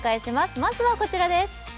まずはこちらです。